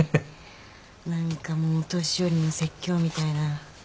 何かもう年寄りの説教みたいな。